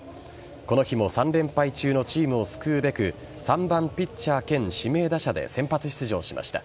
この日も３連敗中のチームを救うべく３番・ピッチャー兼指名打者で先発出場しました。